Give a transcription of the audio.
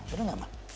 bener gak ma